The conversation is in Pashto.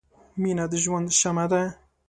• مینه د ژوند شمعه ده.